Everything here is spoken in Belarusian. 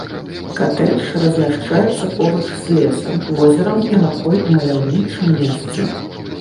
Катэдж размяшчаецца побач з лесам, возерам і ракой у маляўнічым месцы.